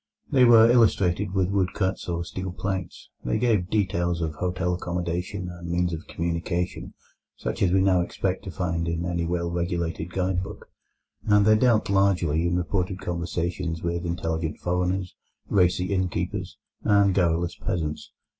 They were illustrated with woodcuts or steel plates. They gave details of hotel accommodation, and of means of communication, such as we now expect to find in any well regulated guide book, and they dealt largely in reported conversations with intelligent foreigners, racy innkeepers, and garrulous peasants.